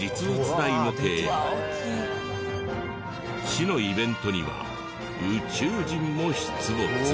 市のイベントには宇宙人も出没。